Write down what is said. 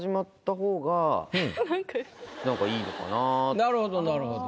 なるほどなるほど。